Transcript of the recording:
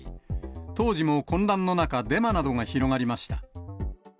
当時も混乱の中、デマなどが広がりました。